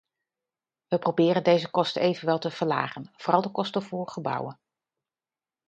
We proberen deze kosten evenwel te verlagen, vooral de kosten voor gebouwen.